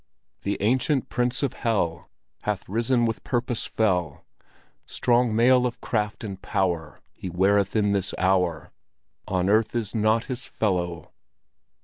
The ancient prince of hell Hath risen with purpose fell; Strong mail of craft and power He weareth in this hour; On earth is not his fel—low."